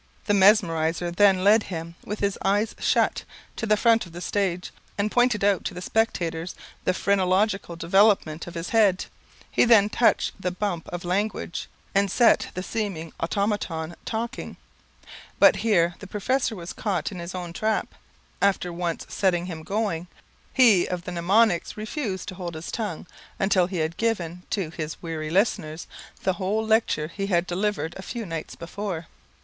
The mesmerizer then led him, with his eyes shut, to the front of the stage, and pointed out to the spectators the phrenological development of his head; he then touched the bump of language, and set the seeming automaton talking. But here the professor was caught in his own trap. After once setting him going, he of the mnemonics refused to hold his tongue until he had given, to his weary listeners, the whole lecture he had delivered a few nights before.